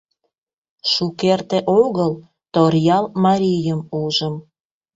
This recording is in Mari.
Шукерте огыл Торъял марийым ужым.